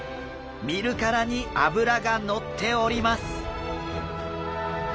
見るからに脂が乗っております！